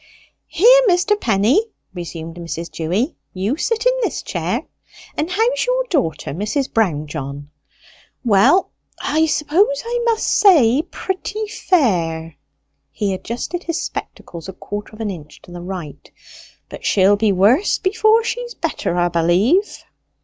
"Here, Mr. Penny," resumed Mrs. Dewy, "you sit in this chair. And how's your daughter, Mrs. Brownjohn?" "Well, I suppose I must say pretty fair." He adjusted his spectacles a quarter of an inch to the right. "But she'll be worse before she's better, 'a b'lieve."